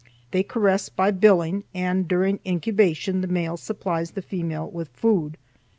They caress by billing, and during incubation the male supplies the female with food.